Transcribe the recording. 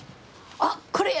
「あっこれや！」